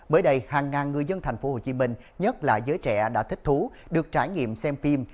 bởi đây hàng ngàn người dân thành phố hồ chí minh nhất là giới trẻ đã thích thú được trải nghiệm xem phim